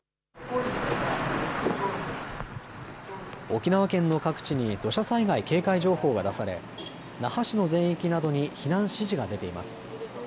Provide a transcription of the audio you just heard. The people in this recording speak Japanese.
沖縄県の各地に土砂災害警戒情報が出され那覇市の全域などに避難指示が出ています。